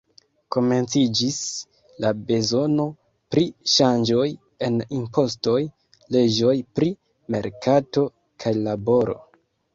Komenciĝis la bezono pri ŝanĝoj en impostoj, leĝoj pri merkato kaj laboro.